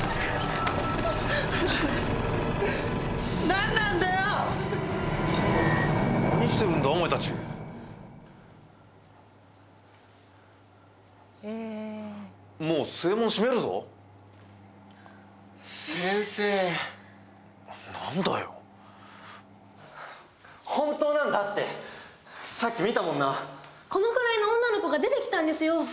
何なんだよっ何してるんだお前達もう正門閉めるぞ先生何だよ本当なんだってさっき見たもんなこのくらいの女の子が出てきたんですよ